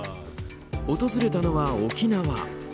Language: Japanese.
訪れたのは、沖縄。